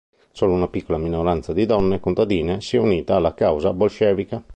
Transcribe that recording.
Solo una piccola minoranza di donne contadine si è unita alla causa bolscevica.